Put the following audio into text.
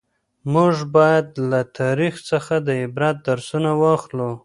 موږ باید له تاریخ څخه د عبرت درسونه واخلو.